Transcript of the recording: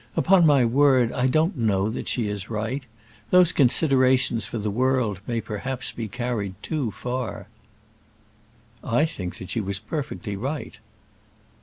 Upon my word I don't know that she is right. Those considerations for the world may perhaps be carried too far." "I think that she was perfectly right."